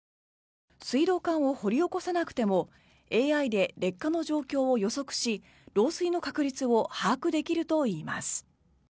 水道管を掘り起こさなくてもＡＩで劣化の状況を予測し漏水の確率を把握できるといいます。